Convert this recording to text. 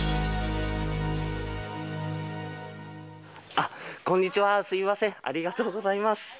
あっ、こんにちは、すみません、ありがとうございます。